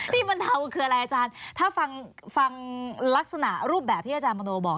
บรรเทาคืออะไรอาจารย์ถ้าฟังลักษณะรูปแบบที่อาจารย์มโนบอก